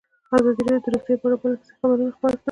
ازادي راډیو د روغتیا په اړه پرله پسې خبرونه خپاره کړي.